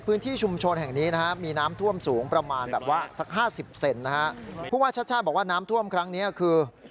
ผู้ว่าชาวบ้านบอกว่าน้ำท่วมครั้งนี้คือ